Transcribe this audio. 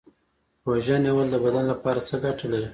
روژه نیول د بدن لپاره څه ګټه لري